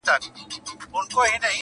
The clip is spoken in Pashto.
• د سېل اوبو اخیستی خلی یمه -